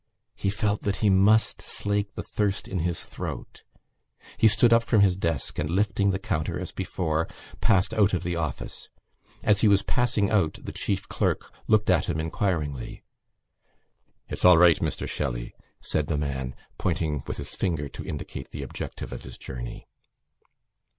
He felt that he must slake the thirst in his throat. He stood up from his desk and, lifting the counter as before, passed out of the office. As he was passing out the chief clerk looked at him inquiringly. "It's all right, Mr Shelley," said the man, pointing with his finger to indicate the objective of his journey.